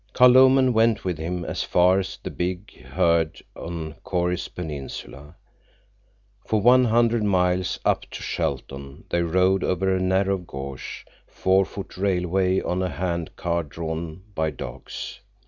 Carl Lomen went with him as far as the big herd on Choris Peninsula. For one hundred miles, up to Shelton, they rode over a narrow gauge, four foot railway on a hand car drawn by dogs.